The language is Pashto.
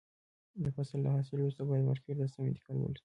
د فصل له حاصل وروسته باید مارکېټ ته سمه انتقال ولري.